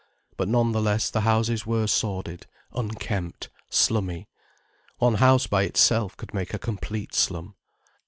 But none the less the houses were sordid, unkempt, slummy. One house by itself could make a complete slum.